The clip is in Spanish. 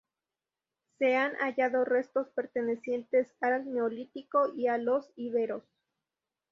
Se han hallado restos pertenecientes al Neolítico y a los Iberos.